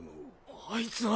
あいつは。